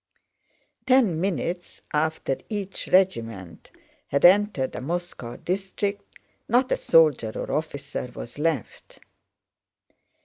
Ten minutes after each regiment had entered a Moscow district, not a soldier or officer was left.